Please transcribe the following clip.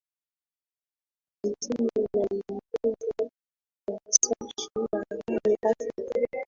Ni nchi inayoongoza kwa usafi barani Afrika